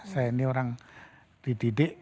saya ini orang dididik